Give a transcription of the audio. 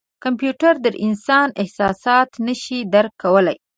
کمپیوټر د انسان احساسات نه شي درک کولای.